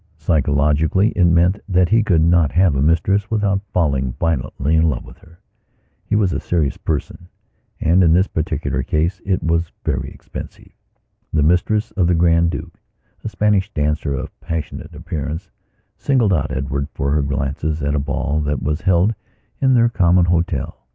Psychologically it meant that he could not have a mistress without falling violently in love with her. He was a serious personand in this particular case it was very expensive. The mistress of the Grand Dukea Spanish dancer of passionate appearancesingled out Edward for her glances at a ball that was held in their common hotel.